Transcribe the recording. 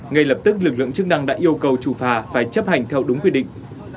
ngay lập tức lực lượng chức năng đã yêu cầu chủ phà phải chấp hành theo đúng quy định